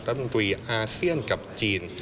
รัฐมนตรีอาเซียนกับจีน